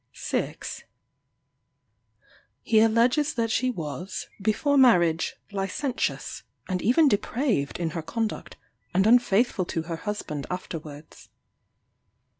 6. He alleges that she was, before marriage, licentious, and even depraved in her conduct, and unfaithful to her husband afterwards.